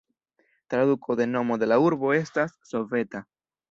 Traduko de nomo de la urbo estas "soveta".